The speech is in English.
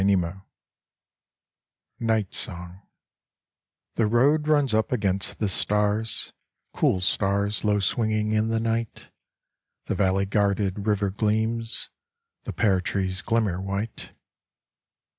86 NIGHT SONG The road runs up against the stars, Cool stars low swinging in the night. The valley guarded river gleams, The pear trees glimmer white.